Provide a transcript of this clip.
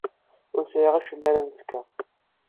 Ur sɛiɣ acemma ara am-fkeɣ.